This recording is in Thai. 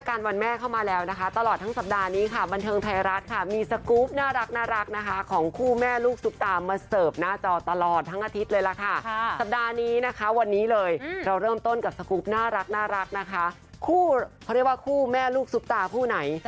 กันวันแม่เข้ามาแล้วนะคะตลอดทั้งสัปดาห์นี้ค่ะบันเทิงไทยรัฐค่ะมีสกรูปน่ารักนะคะของคู่แม่ลูกซุปตามาเสิร์ฟหน้าจอตลอดทั้งอาทิตย์เลยล่ะค่ะสัปดาห์นี้นะคะวันนี้เลยเราเริ่มต้นกับสกรูปน่ารักนะคะคู่เขาเรียกว่าคู่แม่ลูกซุปตาคู่ไหน